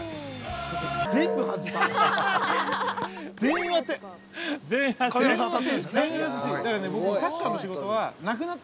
全部外した。